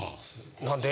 なんで？